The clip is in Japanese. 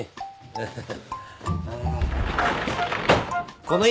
ハハハ。